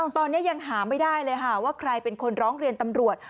ตอนนี้ยังหาไม่ได้เลยค่ะว่าใครเป็นคนร้องเรียนตำรวจ